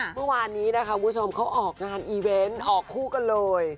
เมื่อวานนี้นะคะคุณผู้ชมเขาออกงานอีเวนต์ออกคู่กันเลย